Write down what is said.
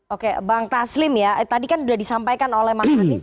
oke bang taslim ya tadi kan sudah disampaikan oleh mas anies